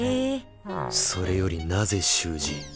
それよりなぜ習字